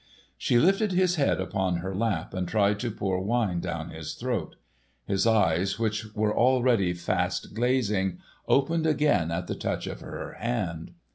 She lifted his head upon her lap and tried to pour wine down his throat. His eyes, which were already fast glazing, opened again at the touch of her hand.